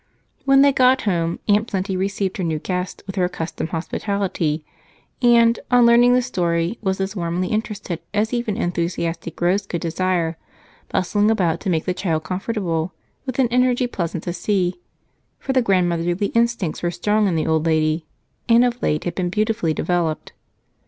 When they got home Aunt Plenty received her new guest with her accustomed hospitality and, on learning the story, was as warmly interested as even enthusiastic Rose could desire, bustling about to make the child comfortable with an energy pleasant to see, for the grandmotherly instincts were strong in the old lady and of late had been beautifully developed.